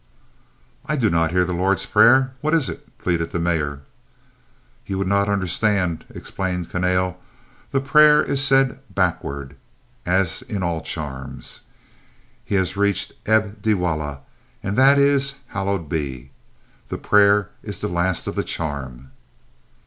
"I do not hear the Lord's Prayer. What is it?" pleaded the Mayor. "You would not understand," explained Kahnale. "The prayer is said backward, as in all charms. He has reached 'Eb Dewollah,' and that is 'Hallowed Be!' The prayer is the last of the charm."